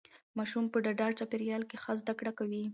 ماشوم په ډاډه چاپیریال کې ښه زده کړه کوي.